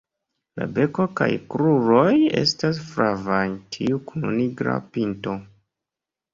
La beko kaj kruroj estas flavaj, tiu kun nigra pinto.